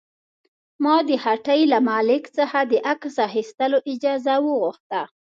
ما د هټۍ له مالک څخه د عکس اخیستلو اجازه وغوښته.